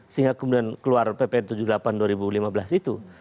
sehingga kemudian keluar pp tujuh puluh delapan dua ribu lima belas itu